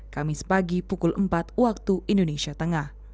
kamis pagi pukul empat waktu indonesia tengah